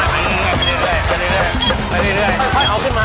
ตีโหวตขึ้นมา